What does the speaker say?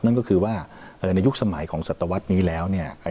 นั่นก็คือว่าในยุคสมัยของสัตวรรษนี้แล้วเนี่ย